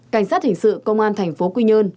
cảnh sát hình sự công an thành phố quy nhơn